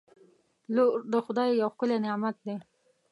• لور د خدای یو ښکلی نعمت دی.